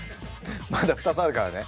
まだ２つあるからね。